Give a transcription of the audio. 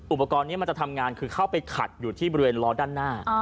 อุปกรณ์นี้มันจะทำงานคือเข้าไปขัดอยู่ที่บริเวณล้อด้านหน้า